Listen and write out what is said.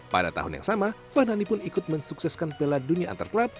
pada tahun yang sama fadhani pun ikut mensukseskan piala dunia antar klub